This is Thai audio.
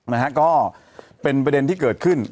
นะฮะก็เป็นประเด็นที่เกิดขึ้น